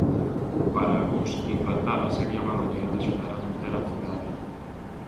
Para algúns, implantala sería unha maneira de axudar a manter a cidade.